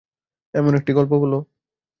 একটি গল্প বলো।